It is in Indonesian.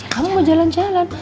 kamu mau jalan jalan